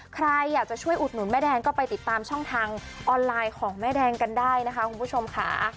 ใครอยากจะช่วยอุดหนุนแม่แดงก็ไปติดตามช่องทางออนไลน์ของแม่แดงกันได้นะคะคุณผู้ชมค่ะ